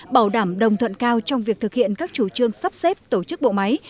bảo đảm đồng thuận cao trong việc thực hiện các chủ trương sắp xếp tổ chức bộ máy